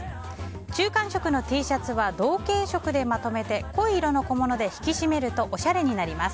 中間色のＴシャツは同系色でまとめて濃い色の小物で引き締めるとおしゃれになります。